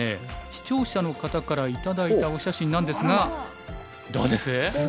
視聴者の方から頂いたお写真なんですがどうです？